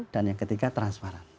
dan yang ketiga transparan